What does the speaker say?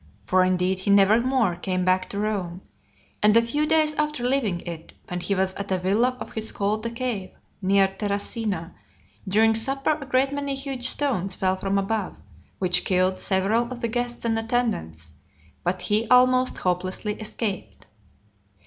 For indeed he never more came to Rome; and a few days after leaving it, when he was at a villa of his called the Cave, near Terracina , during supper a great many huge stones fell from above, which killed several of the guests and attendants; but he almost hopelessly escaped.